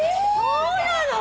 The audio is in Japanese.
そうなの！？